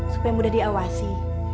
supaya mudah diawasi